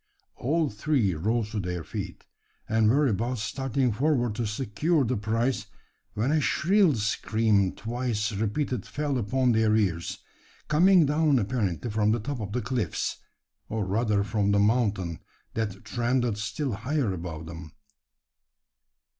All three rose to their feet, and were about starting forward to secure the prize; when a shrill scream twice repeated fell upon their ears coming down apparently from the top of the cliffs, or rather from the mountain that trended still higher above them.